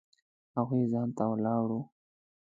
هغوی ځای ته ولاړو.